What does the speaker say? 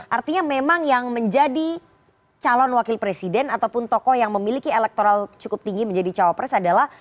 artinya memang yang menjadi calon wakil presiden ataupun tokoh yang memiliki elektoral cukup tinggi menjadi cawapres adalah